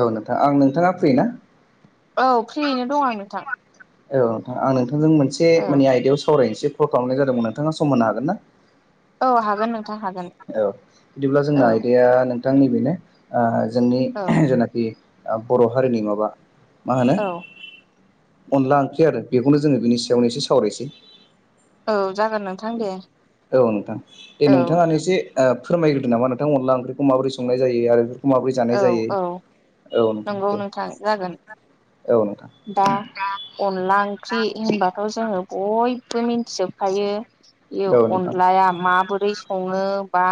औ नोंथां आं नोंथाङा फ्रि ना औ फ्रियैनो दं आं नोंथां। औ नोंथां आं नोंथांजों मोनसे औ माने आयदायाव सावरायनोसो कल खालामनाय जादोंमोन नोंथाङा समहोनो हागोन ना? औ हागोन नों औ बिदिब्ला जोंना आयदाया-नोंथां नैबेनो ओ जोंनि औ जेनाखि ओ बर' हारिनि माबा मा होनो औ अनला ओंख्रि आरो बेखौनो जोङो बिनि सायावनो एसे सावरायसै औ जागोन नोंथां दे औ नोंथां दे औ नोंथाङानो एसे ओ फोरमायग्रोदो नामा नोंथां अनदला ओंख्रिखौ माबोरै संनाय जायो आरो औ औ नंगौ नोंथां जागोन दा अनला ओंख्रि होनबाथ' जोङो बयबो मिन्थिजोब खायो बे अन्लाया माबोरै सङो बा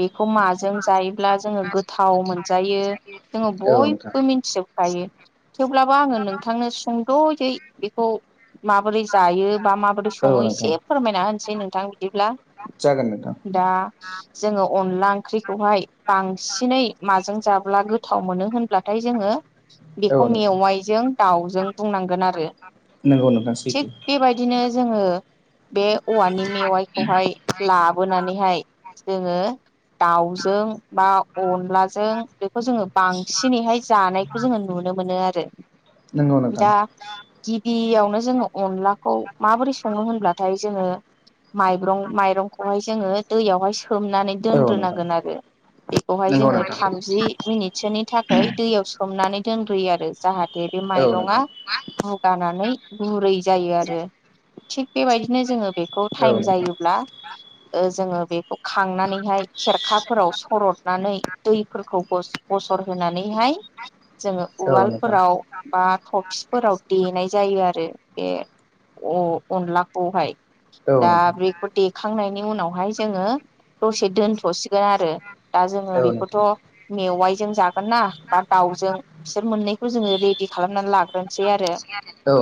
बेखौ माजों जायोब्ला जोङो गोथाव मोन यो जोङो बयबो मिथिजोबखायो। अब्लाबो आङो नोंथांनो सुंद'यै बेखौ माबोरै जायो बा माबोरै सङो एसे फोरमायना होनोसै नोंथां बिदिब्ला। जागोन नोंथां दा जोङो अनला ओंख्रिखौहाय बांसिनै माजों जाब्ला गोथाव मोनो होनब्लाथाय जोङो बेखौ औ नोंथां मेवाइजों दाउजों बुंनांगोन आरो नंगौ नोंथां सैथो थिग बेबायदिनो जोङो बे औवानि मेवाइखौहाय लाबोनानैहाय जोङो दाउजों बा अनलाजों बेखौ जोङो बांसिनैहाय जानायखौ जोङो नुनो मोनो आरो नंगौ नोंथां दा गिबियावनो जोङो अनलाखौ माबोरै सङो होनब्लाथाय जोङो माइब्रं माइरंखौहाय जोङो दैयावहाय सोमनानै औ नोंथां दोनग्रोनांगोन आरो बेखौहाय जोङो थामजि मिनिटसोनि थाखाय दैयाव सोमनानै दोनग्रोयो आरो जाहाथे दे बे औ माइरं नोंथां। भुगानानै गुरै जायो आरो थिग बेबायदिनो जोङो बेखौ टाइम औ नोंथां। जायोब्ला जोङो बेखौ खांनानैहाय खेरखाफोराव सदनानै दैफोरखौ बसर होनानै बेहाय जोङो औ नोंथां। औ नोंथां उवालफोराव बा थफिफोराव देनाय जायो आरो बे अनलाखौहाय औ दा बेखौ नोंथां। देखांनाय नि उनावहाय जोङ दसे दथसिगोन आरो दा जो औ खौथ' मेवाइजों जा ना बा दाउजों बिसोर मोननैखौ जोङो रेडि खालामनानै लाग्रोनोसै आरो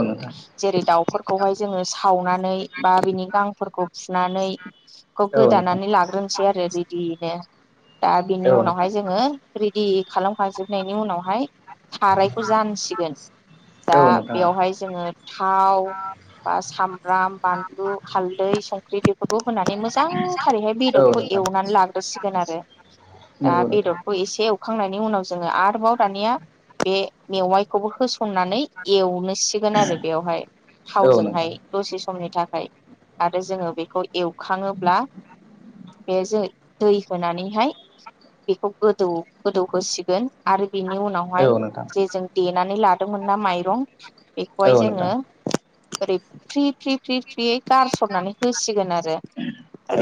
नोंथां जेरै दाउफोरखौहाय जोङो सावनानै बा बिनि गांफोरखौ फुनानै खौ औ नोंथां गोदानानै लाग्रोनोसै आरो रेडयैनो दा बिनि औ उनाव नोंथां। हाय जोङो रेडि खालामखाजोबनायनि उनावहाय सारायखौ जानसिगोन दा औ नोंथां बेवहाय जोङो थाव बा सामब्राम बानलु हालदै संख्रि बेफोरखौ होनानै मोजांथारैहाय औ बेदरखौ नोंथां एवनानै लाग्रोसिगोन आरो। दा नंगौ नोंथां बेदरखौ एसे एवखांनायनि उनाव जोङो आरोबाव दानिया बे मेवाइखौबो होस खननानै एवनोसिगोन आरो बेवहाय औ नोंथां थावजोंहाय दसे समनि थाखाय ओमफ्राय आरो जोङो बेखौ एवखाङोब्ला बे जों दै होनानैहाय बेखौ गोदौ गोदौहोसिगोन। आरो बिनि उनावहाय औ नोंथां जे जों देनानै लादोंमोन ना माइरं औ बेखौहाय जोङो नोंथां ओरै फ्रि फ्रि फ्रि फ्रियै गारसरनानै होसिगोन आरो।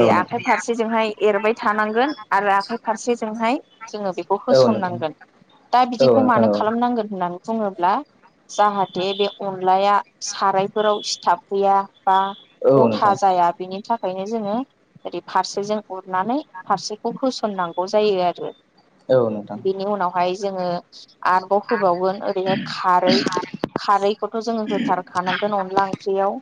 औ नोंथां औ नोंथां आखाइ फारसेजोंहाय एरबाय थानांगोन आरो आखाइ फारसे जोंहाय जोङो बेखौ औ नोंथां होसननांगोन। दा औ बिदिखौ मानो खालामनांगोन होननानै बुङोब्ला जाहाथे बे अनलाया सारायफोराव सिथाब फैया। बा औ गथा नोंथां जाया बेनि थाखायनो जोङो ओरै फारसेजों उरनानै फारसेखौ होसननांगौ जायो आरो औ नोंथां बिनि उनावहाय जोङो आबाव होबावगोन ओरैहाय खारै खारैखौथ' जोङो होथारखानांगोन अनला ओंख्रियाव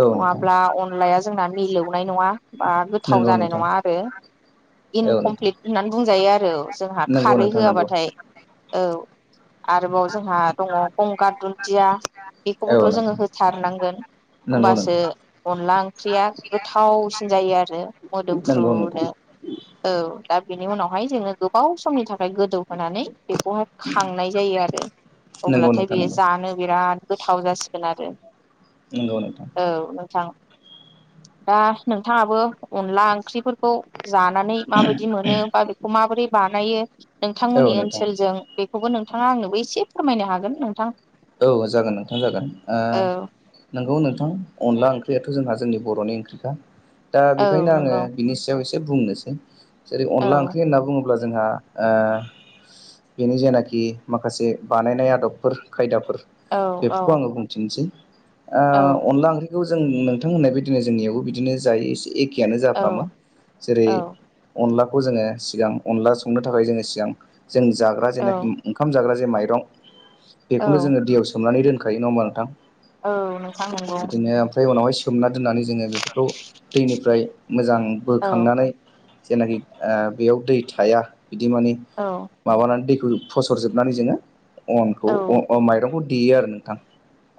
औ नोंथां नङाब्ला अनलाया जोंना मिलौनाय नङा बा गोथाव नंगौ जानाय नोंथां नङा आरो- औ नोंथां इनकमप्लिट होननानै बुंजायो आरो जोंहा नंगौ खारै नोंथां नंगौ होआबाथाय। औ आरोबाव जोंहा दङ गंगार दुन्दिया औ बेखौबोथ' नोंथां जोङो होथारनांगोन। नंगौ होमबासो नोंथां अनला ओंख्रिया गोथावसिन जायो आरो नंगौ नोंथां मोदोमफ्रुनो। औ दा बेनि उनावहाय जोङो गोबाव समनि थाखाय ओमफ्राय गोदौहोनानै बेखौहाय खांनाय जायो आरो। नंगौ अब्लाथाय नोंथां बेयो नंगौ जानो बिराद गोथाव जासिगोन आरो। नंगौ नोंथां औ नोंथां। दा नोंथाङाबो अनला ओंख्रिफोरखौ जानानै माबायदि मोनो।? बा बेखौ माबोरै बानायो औ नोंथांमोननि नोंथां ओनसोलजों? खौगोन नोंथाङा आंनोबो एसे फोरमायनो हागोन नोंथां? औ जागोन नोंथां जागोन औ नोंगौ। अनला ओंख्रियाथ' जोंहा जोंनि बर'नि ओंख्रिखा दा औ बेखायनो आङो नंगौ बिनि सायाव ए एसे बुंनोसै जेरै अनला औ ओंख्रि होनना बुङोब्ला अब्ला जोंहा बेनि जेनाखि माखासे बानायनाय आदबफोर खायदाफोर औ औ बेफोरखौ आङो बुंथिननोसै औ अनला ओंख्रि खौ जों नोंथांनाय बायदिनो जोंनियावबो बिदिनो जायो एसे एक एखेयानो जाफ्रामा जेरै औ अनला खौ जोङो सिगां अनला संनो थाखाय जोङो सिगां जों जाग्रा औ जेनाखि ओंखाम जाग्रा जे माइरं बेखौनो औ जोङो दैयाव सोमनानै दोनखायो नङा होमबा नोंथां। औ नोंथां नंगौ बिदिनो ओमफ्राय उनावहाय सोमना दोननानै जोङो बेफोरखौ दैनिफ्राय मोजां औ बोखांनानै जेनाखि ओ बेयाव दै थाया बिदि मानि औ माबानानै दै फसरजोबनानै जोङो औ अनखौ माइरंखौ देयो आरो नोंथां।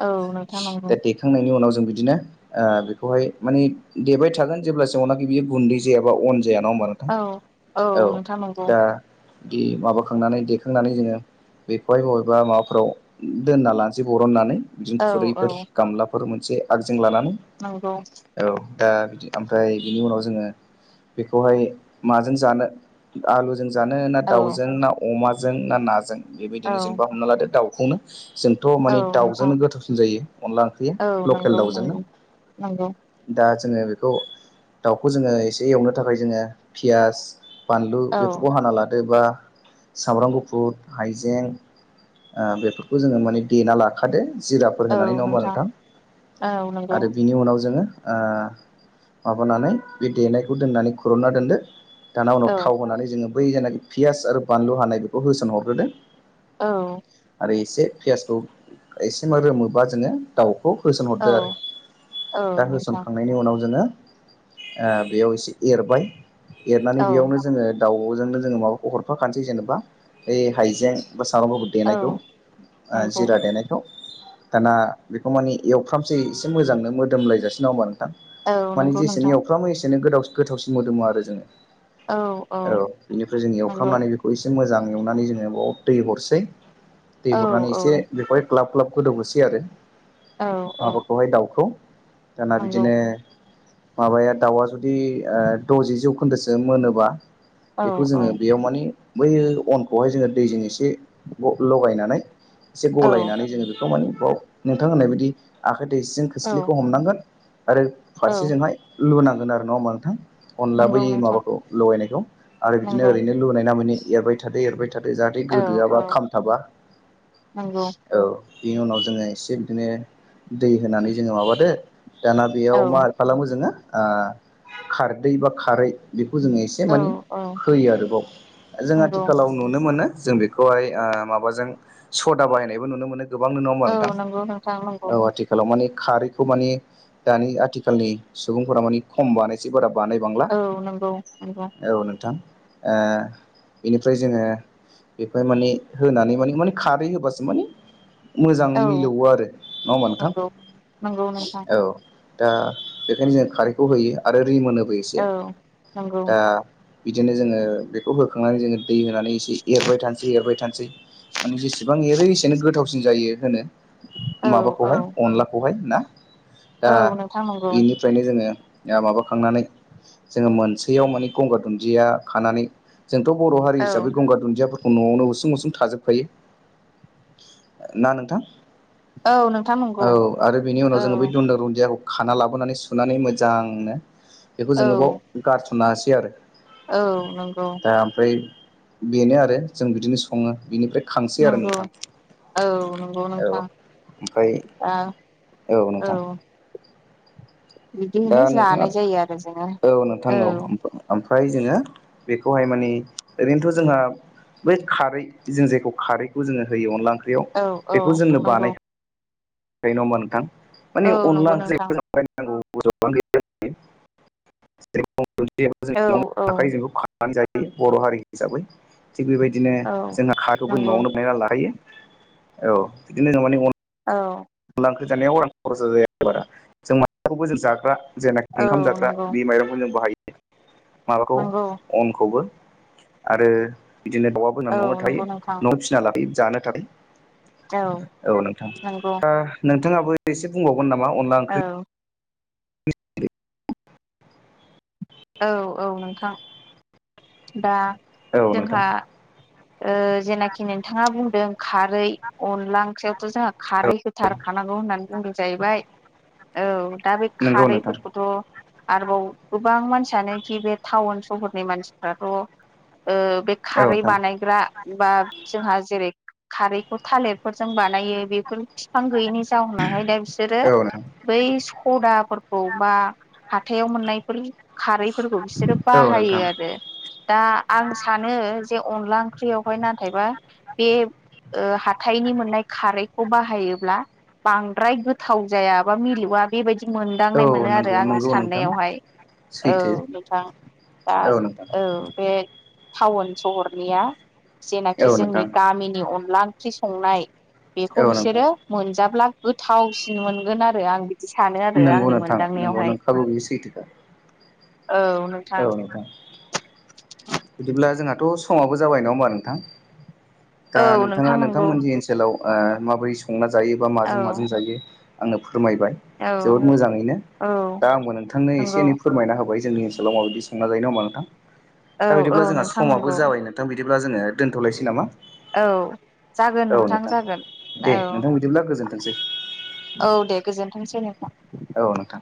औ नोंथां नंगौ दा देखांनायनि उनाव जों बिदिनो ओ बेखौहाय मानि देबायथागोन जेब्लासिमावनाखि बियो गुन्दै जाया बा अन जाया ना होनबा नोंथां औ औ नोंथां नंगौ दा। माबाखांनानै देखांनानै जोङो बेखौहाय बबेबा माबा फोराव दोनना लानोसै बरननानै बिदिनो औ औ खुरैफोर गामलाफोर मोनसेग जों लानानै नंगौ औ। दा बि ओमफ्राय बिनि उनाव जोङो बेखौहाय माजों जानो आलु जों जानो ना औ दाउजों ना अमाजों ना नाजों औ बेबायदिनो जेनबा हमना लादो दाउखौनो। जोंथ' औ मानिे नोंथां दाउजोंनो गोथावसिन जायो। अनला ओंख्रियो औ लकेल नंगौ दाउजोंनो नंगौ नंगौ दा जोङो बेखौ दाउखौ जोङो एसे एवनो थाखाय जोङो पियास बानलु औ बेफोरखौ हाना लादो बा सामब्राम गुफुर हाइजें ओ बेफोरखौ जोङो माने देना लाखादो जिराफोर होनानै नङा होमबा नोंथां औ नंगौ आरो बिनि उनाव जोङो ओ माबानानै बे देनायखौ दोननानै खुर'ना दोनदो। दाना औ उनाव थाव होनानै जोङो बै जेखि पियास आरो बानलु हानाय बेखौ होसन हरग्रोदो औ आरो एसे पियासखौ एसे रोमोबा जोङो दाउ खौ होसन औ हरदो आरो औ दा नोंथां होसनखांनायनि उनाव जोङो ओ बेयाव एसे एरबाय एरनानै औ बेयावनो जोङो दाउजोंनो माबाखौ हफाखासै जेनबा बै हाइजें बा सामब्रामगु औ देनायखौ ओ नंगौ जिरा देनायखौ। दाना बेखौ मानि एवफ्रामसै एसे मोजांनो मोदोमलायजासि नङा होनबा नोंथां? औ माने नंगौ जेसेनो नोंथां एवफ्रामो एसेनो गोाव गोथावसिन मोदोमो आरो जोङो। औ बेनिफ्राय जों नंगौ एवफ्रामनानै बेखौ एसे मोजां एवनानै जोङो बाउ दै हरसै दै औ हरनानै औ एसे बेखौहाय ग्लाब ग्लाब गोदौहोसै आरो। औ औ माबाखौहाय दाउखौ दाना नंगौ बिदिनो माबाया दाउआ जुदि द'जि जौखोन्दोसो मोनोबा औ बेखौ औ जोङो बेयाव माने बै अनखौहाय जोङो दैजों एसे लगायनानै एसे गलायनानै जोङो बेखौ माने बाव नोंथां होननाय बायदि आ खाइ दैसिजों औ खोस्लिखौ हमनांगोन आरो औ फारसेजोंहाय लुनांगोन आरो नंडा होनबा नोंथां? अनला बै नंगौ नोंथां माबाखौ लगायनायखौ आरो बिदिनो नंगौ ओरैनो लुनाय नामैनो एरबाय थादो एरबाय दो जाहाथे औ गोदोयाबा औ खामथाबा नंगौ औ। बेनि उनाव जोङो एसे बिदिनो दै होनानै जोङो माबादो दाना औ बेयाव मा खालामो जोङो ओ खारदै बा खारै बेखौ बेखौ जोङो एसे औ माने औ होयो आरोबाव जों नंगौ आथिखालाव नुनो मोनो जों बेखौहाय माबाजों सदा बायनायबो नुनो मोनो गोबांनो नङा होमबा औ नोंथां नंगौ नोंथां नंगौ औ आथिखालाव माने खारैखौ मान दानि आथिखालनि सुबुंफोरा मानि खम बानायसै बारा बानायबांला औ नंगौ नंगौ औ नोंथां। ओ बेनिफ्राय जोङो बेखौहाय माने होनानै माने माने खारै होबासो माने मोजां औ मिलौ आरो नङा होमबा नोंथां नंगौ नंगौ नोंथां औ। दा बेखायनो जों खारैखौ होयो आरो रिमोनोबो एसे औ नंगौ दा बिदिनो जोङो बेखौ होखांनानै जोङो दै होनानै एसे एरबाय थानोसै एरबाय थानो सै माने जेसेबां एरो एसेनो गोथावसिन जायो होनो। औ औ माबाखौहाय अनलाखौहाय ना दा औ नोंथां नंगौ बेनिफ्रायनो जोङो माबाखांनानै जोङो मोनसैयाव माने गंगार दुनजिया खानानै जोंथ' बर' हारि औ हिसाबै गगार दुनजियाफोरखौ न'आवनो उसुं उसुं थाजोबखायो ना नोंथां? औ नोंथां नंगौ औ आरो बेनि उनाव औ जोङो बै गंगार दुन्दियाखौ खाना लाबोनानै सुनानै मोजांनो बेखौ जोङो औ बेयाव गारस'नना होसै आरो। औ नंगौ। दा ओमफ्राय बेनो आरो जों बिदिनो सङो बिनिफ्राय खांसै आरो नंगौ नोंथां औ नंगौ औ नोंथां ओमफ्राय दा औ नोंथां। दा बिदियैनो नोंथाङा जानाय जायो आरो जोङो औ नोंथां औ। फ्राय जोङो बेखौहाय मानि ओरैनोथ' जोंहा बै खारै जों जेखौ खारैखौ जोङो होयो अनला ओंख्रियाव औ औ बेखौ जोंनो नंगौ बानाय खायो नङा ओमबा नोंथां मानि औ अनला नंगौ नोंथां ओंख्रि नांगौ। [unintelligible] औ औ जायो बर' हारि हिसाबै थिग बेबायदिनो औ जोंहा खारैखौबो नंगौ न'आवनो बायनानै लाखायो। औ बिदिनो माने औ अनला ओंख्रि जानायाव रां खरसा जाया बारा जों माखौबो जों जाग्रा। जेनाखि औ ओंखाम जाग्रा नंगौ बे माइरंखौ जों बाहायो माबाखौ नंगौ अनखौबो आरो बिदिनो दाउ आबो जोंना औ न'आवनो नंगौ थायो नोंथां न'आव फिसिना लाखायो जानो थाखाय औ औ नोंथां नंगौ। नोंथाङाबो एसे बुंबावगोन नामा अनला ओंख्रि औ [unintelligible] औ औ नोंथां। दा औ नोंथां। जोंहा जेनाखि नोंथाङा बुंदों। खारै अनला ओंख्रियावथ' जोंहा औ खारै होथारखानांगौ होननानै बुंदों। जाहैबाय औ दा बे नंगौ नोंथां खारैफोरखौथ' आरोबाव गोबां मानसि सानोखि बे टाउन सहरनि मानसिफ्राथ' बे औ खारै नोंथां बानाय बा जोंहा जेरै खारै बे थालिरफोरजों बानायो बेफोर बिफां गैयिनि जाउनाहाय दा बिसोरो औ नोंथां बै सदा फोरखौ बा हाथायाव मोननायफोर खारैफोरखौ बिसोरो औ बाहायो नोंथां आरो दा आं सानो जे अनला ओंख्रियावहाय नाथायबा बे ओ हाथायनि मोननाय खारैखौ बाहायोब्ला बांद्राय गोथाव जाया बा मिलौवा बेबायद मोनदांनाय औ मोनो आरो नंगौ आंनि नंगौ नोंथां साननायावहाय। औ सैथो नोंथां दा औ बे टाउन सहरनिया जेनाखि औ नोंथां जोंनि गामिनि अनला ओंख्रि संनाय बेखौ औ नोंथां बिसोरो मोनजाब्ला गोथावसिन मोनगोन आरो आं बि नोंगौ नोंथां नोंगौ नोंखागौ बे सैथोखा। औ नोंथां बिदिब्ला जोंहाथ' समाबो जाबाय नङा ओमबा नोंथां? दा औ नोंथाङा नोंथां नंगौ नोंथांमोननि ओनसोलाव माबोरै संना जायो बा माजों औ माजों जायो आंनो। फोरमायबाय औ जोबोद मोजाङैनो औ दा आंबो नोंथांनो एसे नंगौ एनै फोरमायना होबाय जोंनि ओनसोलाव माबादि संना जायो नङा ओनबा नोंथां औ दा औ बिदिब्ला जोंहा नोंथां समाबो नंगौ जाबाय नोंथां बिदि ब्ला जोङो दोनथ'लायसै नामा? जागोन औ नोंथां जागोन दे औ नोंथां बिदिब्ला गोजोनथोंसै। औ दे गोजोनथोंसै नोंथां। औ नोंथां।